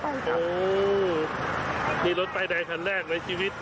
ดิ้นรถไปดายคันแรกในชีวิต